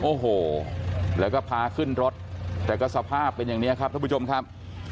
โอ้โหแล้วก็พาขึ้นรถแต่ก็สภาพเป็นอย่างนี้ครับท่านผู้ชมครับ